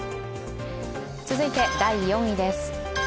続いて第４位です。